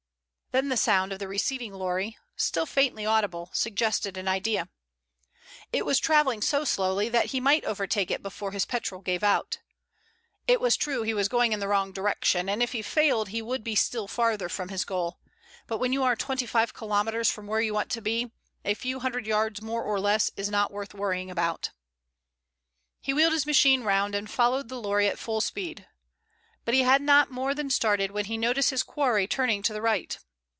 Then the sound of the receding lorry, still faintly audible, suggested an idea. It was travelling so slowly that he might overtake it before his petrol gave out. It was true he was going in the wrong direction, and if he failed he would be still farther from his goal, but when you are twenty five kilometers from where you want to be, a few hundred yards more or less is not worth worrying about. He wheeled his machine round and followed the lorry at full speed. But he had not more than started when he noticed his quarry turning to the right.